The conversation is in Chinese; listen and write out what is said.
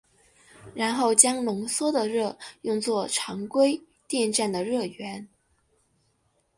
然后将浓缩的热用作常规电站的热源。